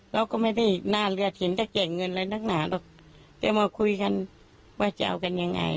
เราก็ไม่ได้หน้าเลือดเฉยจะแข่งเงินอะไรตั้งหลักจะมาคุยกันว่าจะเอากันยังไง